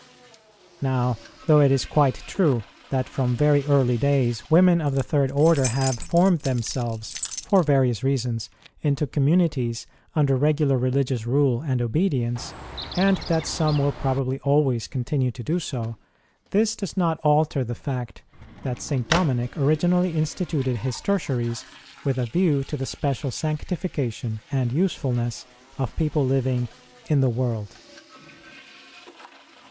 Now, though it is quite true that from very early days women of the Third Order have formed themselves, for various reasons, into communitie under regular Religious rule and obedience, and that some will probably always continue to do so, PROLOGUE : BIRTH AND BAPTISM OF ST. ROSE 3! this does not alter the fact that St. Dominic originally instituted his Tertiaries with a view to the special sanctification and usefulness of people living in the world.